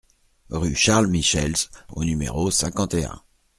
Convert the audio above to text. Rue Charles Michels au numéro cinquante et un